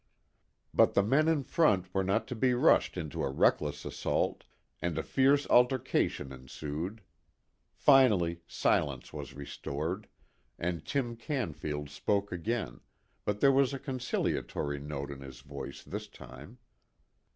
But the men in front were not to be rushed into a reckless assault, and a fierce altercation ensued. Finally silence was restored, and Tim Canfield spoke again, but there was a conciliatory note in his voice this time.